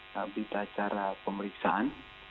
berita acara pemeriksaan